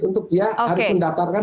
untuk dia harus mendaftarkan